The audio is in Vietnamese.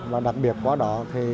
và đặc biệt qua đó